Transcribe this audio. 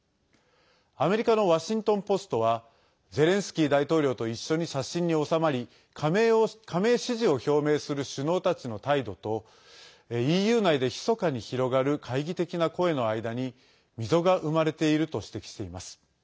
アメリカのワシントン・ポストはゼレンスキー大統領と一緒に写真に納まり加盟支持を表明する首脳たちの態度とＥＵ内でひそかに広がる懐疑的な声の間に溝が生まれていると指摘しています。